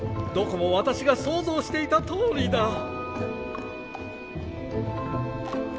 どこも私が想像していたとおりだ。